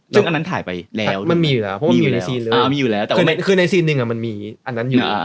จึงอันนั้นถ่ายไปแล้วมันมีอยู่แล้วคือในซีนหนึ่งมันมีอันนั้นอยู่